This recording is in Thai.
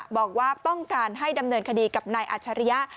บอกว่าต้องการให้ดำเนินคดีกับนายอัชริยะ